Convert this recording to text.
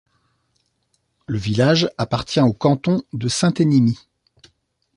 Le village appartient au canton de Sainte-Enimie.